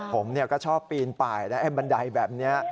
ผมเนี่ยก็ชอบปีนป่ายแบบนี้